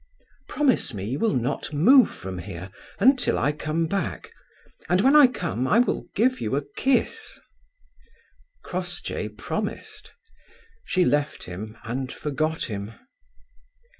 "Promise me you will not move from here until I come back, and when I come I will give you a kiss." Crossjay promised. She left him and forgot him.